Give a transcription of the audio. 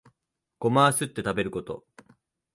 ゴマはすって食べること